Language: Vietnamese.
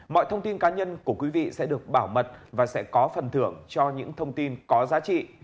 mọi thông tin cá nhân của quý vị sẽ được bảo mật và sẽ có phần thưởng cho những thông tin có giá trị